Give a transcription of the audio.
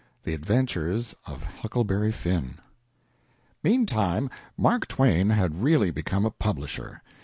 "THE ADVENTURES OF HUCKLEBERRY FINN" Meantime, Mark Twain had really become a publisher.